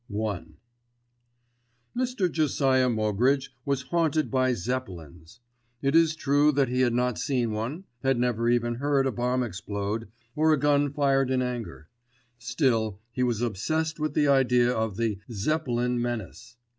I Mr. Josiah Moggridge was haunted by Zeppelins! It is true that he had not seen one, had never even heard a bomb explode, or a gun fired in anger; still he was obsessed with the idea of the "Zeppelin Menace."